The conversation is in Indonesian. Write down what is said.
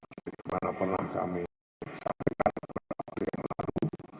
jadi dimana pernah kami sampaikan pada hari yang lalu